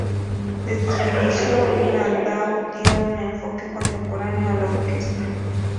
Desde su inicio, Landau dio un enfoque contemporáneo a la orquesta.